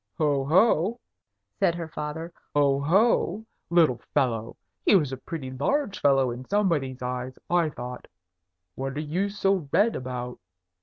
"Ho! ho!" said her father. "Ho! ho! Little fellow! He was a pretty large fellow in somebody's eyes, I thought. What are you so red about?